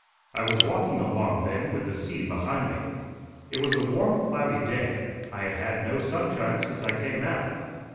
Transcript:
I was walking along, then, with the sea behind me. It was a warm, cloudy day I had had no sunshine since I came out.